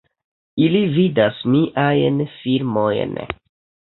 Ili vidas miajn filmojn